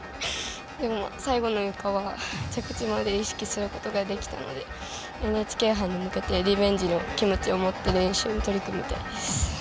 でも、最後のゆかは着地まで意識することができたのでＮＨＫ杯に向けてリベンジの気持ちを持って練習に取り組みたいです。